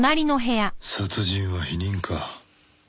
殺人は否認か。